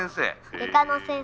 外科の先生。